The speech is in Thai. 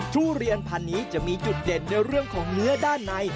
ทุเรียนพันธุ์นี้จะมีจุดเด่นในเรื่องของเนื้อด้านใน